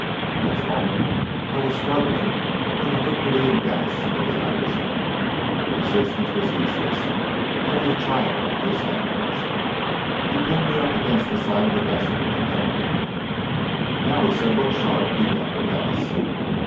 Next moment I was struggling in the herculean grasp of the Irishman. Resistance was useless; I was a child in his hands. He pinned me up against the side of the vessel, and held me there. "Now," he said, "look sharp. He can't prevent us."